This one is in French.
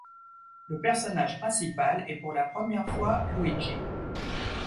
Le personnage principal est pour la première fois Luigi.